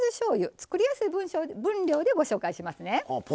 作りやすい分量でご紹介しますね。